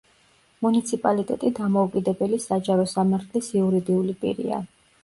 მუნიციპალიტეტი დამოუკიდებელი საჯარო სამართლის იურიდიული პირია.